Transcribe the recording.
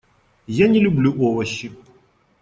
Я не люблю овощи.